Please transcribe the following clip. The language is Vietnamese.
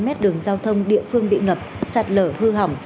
ba mươi năm mươi mét đường giao thông địa phương bị ngập sạt lở hư hỏng